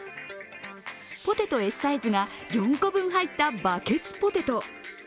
ポテトＳサイズが４個分入ったバケツポテト。